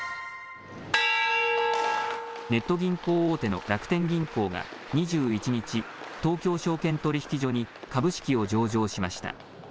ネット銀行大手の楽天銀行が２１日東京証券取引所に株式を上場しました。